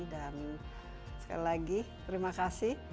dan sekali lagi terima kasih